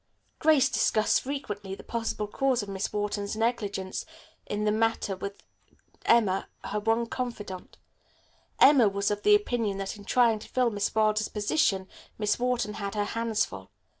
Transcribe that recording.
Grace discussed frequently the possible cause of Miss Wharton's negligence in the matter with Emma, her one confidante. Emma was of the opinion that, in trying to fill Miss Wilder's position, Miss Wharton had her hands full.